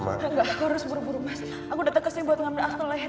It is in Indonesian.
naik kamu mau ketemu sama aku harus buru buru mas aku datang kesini buat ngambil akselahir